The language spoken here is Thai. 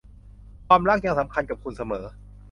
ความรักยังสำคัญกับคุณเสมอ